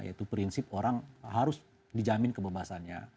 yaitu prinsip orang harus dijamin kebebasannya